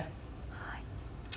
はい。